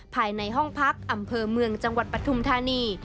ภายในห้องพักอำเภอเมืองจังหวัดปฐุมธานี